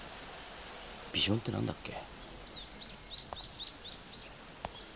ビジョンって何だっけ？